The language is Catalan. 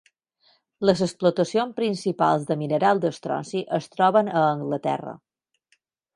Les explotacions principals de mineral d'estronci es troben a Anglaterra.